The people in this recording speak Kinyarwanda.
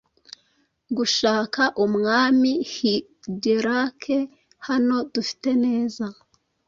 Gushaka Umwami Higelac Hano dufite neza